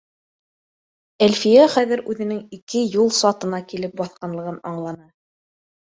Әлфиә хәҙер үҙенең ике юл сатына килеп баҫҡанлығын аңланы